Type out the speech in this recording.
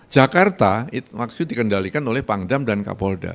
jakarta maksudnya dikendalikan oleh pangdam dan kapolda